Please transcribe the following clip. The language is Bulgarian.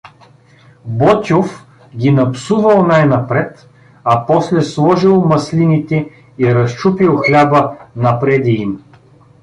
Ботйов ги напсувал най-напред, а после сложил маслините и разчупил хляба напреде им.